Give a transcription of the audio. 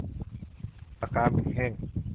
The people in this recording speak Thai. ปากกาหมึกแห้ง